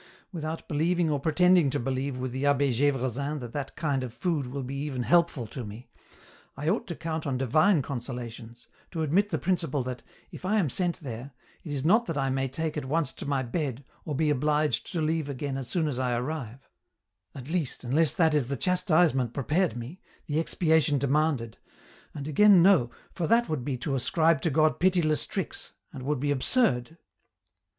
Without believing or pretending to believe with the Abbe G^vresin that that kind of food will be even helpful to me, I ought to count on Divuie consolations, to admit the principle that, if I am sent there, it is not that I may take at once to my bed, or be obliged to leave again as soon as I arrive — at least, unless that is the chastisement pre pared me, the expiation demanded, and again no, for that would be to ascribe to God pitiless tricks, and wonld be absurd